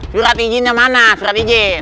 surat izinnya mana surat izin